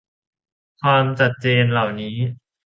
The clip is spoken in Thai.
ความจัดเจนเหล่านี้